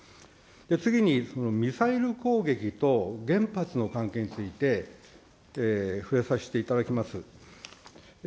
次にミサイル攻撃と原発の関係について触れさせていただきます。